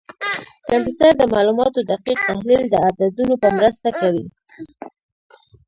کمپیوټر د معلوماتو دقیق تحلیل د عددونو په مرسته کوي.